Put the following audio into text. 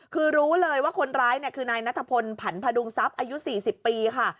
คือรู้เลยว่าคนร้ายคือนายนัทพลผันพดุงทรัพย์อายุ๔๐ปีค่ะ